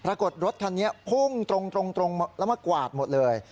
รถคันนี้พุ่งตรงแล้วมากวาดหมดเลย